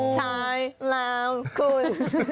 ใช่แล้วคุณ